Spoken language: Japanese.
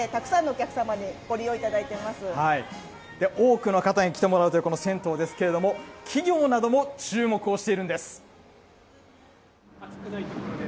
今はおかげさまで、たくさんのお客様にご利用いただ多くの方に来てもらおうというこの銭湯ですけれども、企業なども注目をしているんです。